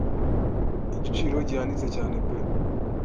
igiciro gihanitse cyane pe